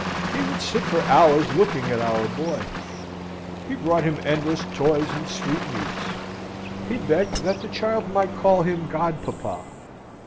He would sit for hours looking at our boy. He brought him endless toys and sweetmeats. He begged that the child might call him Godpapa.